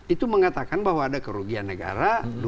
itu mengatakan bahwa ada kerugian negara